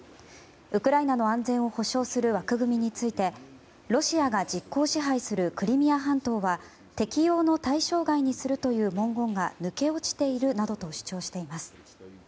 ウクライナの安全を保障する枠組みについてロシアが実効支配するクリミア半島は適用の対象外にするとの文言が抜け落ちているなどと主張しています。